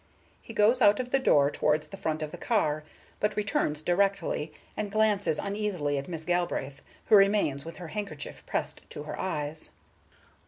He goes out of the door towards the front of the ear, but returns directly, and glances uneasily at Miss Galbraith, who remains with her handkerchief pressed to her eyes.